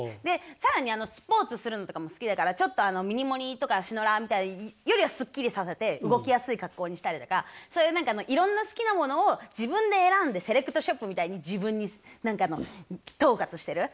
で更にスポーツするのとかも好きだからちょっとミニモニ。とかシノラーみたいよりはすっきりさせて動きやすい格好にしたりとかそういう何かいろんな好きなものを自分で選んでセレクトショップみたいに自分に何か統括してる。